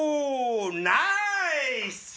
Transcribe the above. ナイス！